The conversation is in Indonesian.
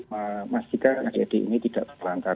masjidika karena di ad ini tidak terlantar